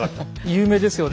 有名ですよね。